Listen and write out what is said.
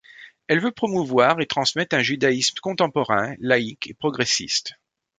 Elle veut promouvoir et transmettre un judaïsme contemporain, laïc et progressiste.